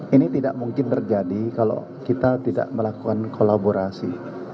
ini tidak mungkin terjadi kalau kita tidak melakukan kolaborasi